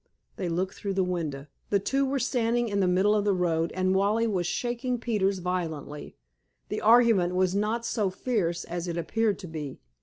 They looked through the window. The two were standing in the middle of the road, and Wally was shaking Peters violently. The argument was not so fierce as it appeared to be.